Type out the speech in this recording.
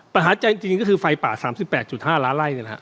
ปัญหาใจจริงจริงก็คือไฟป่าสามสิบแปดจุดห้าล้าไร้เนี่ยนะครับ